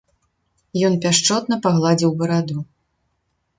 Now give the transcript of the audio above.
Ён пяшчотна пагладзіў бараду.